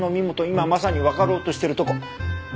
今まさにわかろうとしてるとこ。